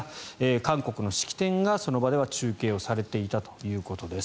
韓国の式典がその場では中継されていたということです。